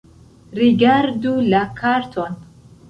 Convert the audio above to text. Rigardu la karton